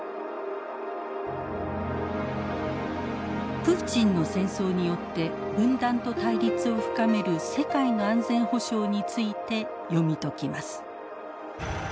プーチンの戦争によって分断と対立を深める世界の安全保障について読み解きます。